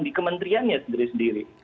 di kementeriannya sendiri sendiri